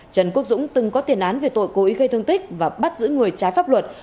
trần quốc dũng từng có tiền án về tội cố ý gây thương tích và bắt giữ người trái pháp luật